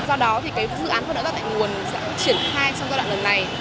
do đó thì cái dự án phân loại rác tại nguồn sẽ được triển khai trong giai đoạn lần này